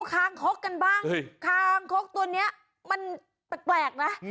คางคกกันบ้างคางคกตัวนี้มันแปลกนะ